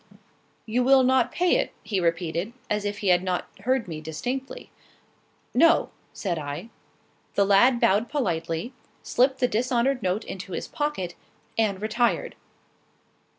"You will not pay it?" he repeated, as if he had not heard me distinctly. "No," said I. The lad bowed politely, slipped the dishonoured note into his pocket, and retired.